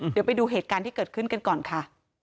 เดี๋ยวไปดูเหตุการณ์ที่เกิดขึ้นกันก่อนค่ะ